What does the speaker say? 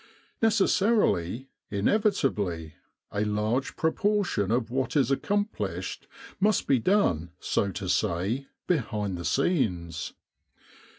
Necessarily, inevitably, a large proportion of what is accomplished, must be done, so to say, behind the scenes.